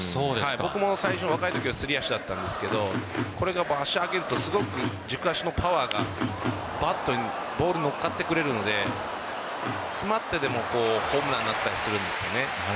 僕も最初は若いとき、すり足だったんですがこれが足を上げるとすごく軸足のパワーがバットにボールが乗っかってくれるので詰まってでもホームランになったりするんです。